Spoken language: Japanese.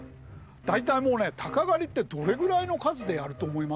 大体もうねタカ狩りってどれぐらいの数でやると思います？